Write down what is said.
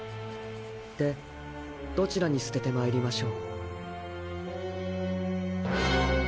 でどちらに捨てて参りましょう？